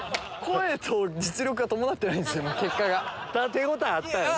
手応えあったんよね？